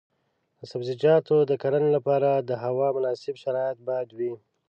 د سبزیجاتو د کرنې لپاره د هوا مناسب شرایط باید وي.